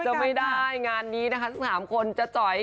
อาจจะไม่ได้งานนี้นะคะ๓คนจะจ๋อย